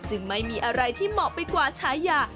ไม่มีอะไรที่เหมาะไปกว่าฉายา